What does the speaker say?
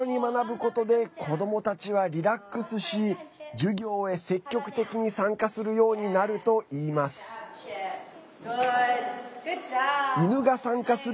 チップと一緒に学ぶことで子どもたちはリラックスし授業へ積極的に参加するようになるといいます。